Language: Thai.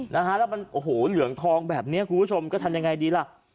นะฮะแล้วมันโอ้โหเหลืองทองแบบนี้คุณผู้ชมก็ทำยังไงดีล่ะ